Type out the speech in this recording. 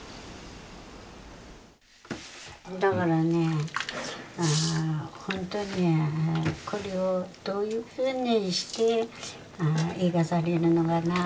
だからねほんとにこれをどういうふうにして生かされるのかな